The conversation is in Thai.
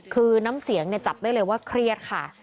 คือน้ำเสียงจับได้เลยว่าเครียดค่ะ